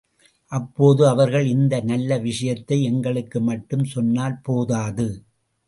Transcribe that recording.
அப்போது அவர்கள் இந்த நல்ல விஷயத்தை எங்களுக்கு மட்டும் சொன்னால் போதாது.